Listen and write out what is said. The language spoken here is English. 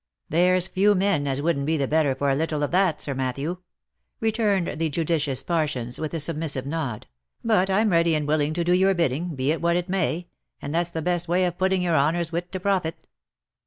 " There's few men as wouldn't be the better for a little of that, Sir Matthew," returned the judicious Parsons with a submissive nod ;" but I'm ready and willing to do your bidding, be it what it may, and that's the best way of putting your honour's wit to profit."